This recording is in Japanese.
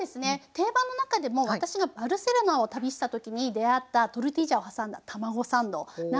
定番の中でも私がバルセロナを旅したときに出合ったトルティージャを挟んだ卵サンドなんですけど。